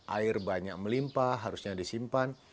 air banyak melimpa harusnya disimpan